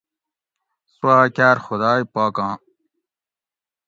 سوآ کار خدائے پاکاں